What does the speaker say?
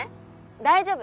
大丈夫！